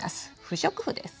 不織布です。